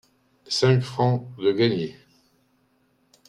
Cinq francs de gagnés !